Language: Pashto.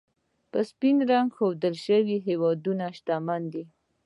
په سپین رنګ ښودل شوي هېوادونه، شتمن دي.